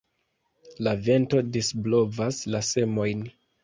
La vento disblovas la semojn.